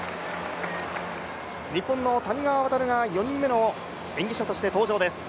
日本の谷川航が４人目の演技者として登場です。